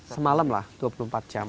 semalam lah dua puluh empat jam